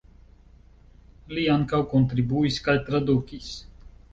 Li ankaŭ kontribuis kaj tradukis.